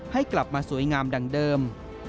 ให้กลับมาสวยงามดังเดิม